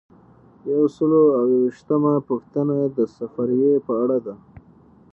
یو سل او یو ویشتمه پوښتنه د سفریې په اړه ده.